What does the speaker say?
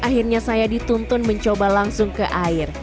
akhirnya saya dituntun mencoba langsung ke air